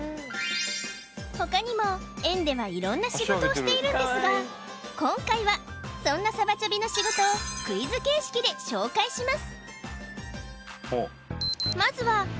他にも園では色んな仕事をしているんですが今回はそんなサバチョビの仕事をクイズ形式で紹介します